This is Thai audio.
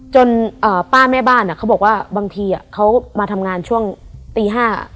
ป้าแม่บ้านเขาบอกว่าบางทีเขามาทำงานช่วงตี๕